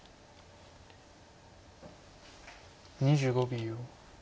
２５秒。